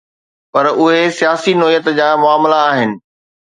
پر اهي سياسي نوعيت جا معاملا آهن.